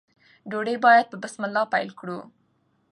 ډوډۍ باید په بسم الله پیل کړو.